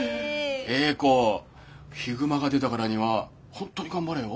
詠子ヒグマが出たからには本当に頑張れよ。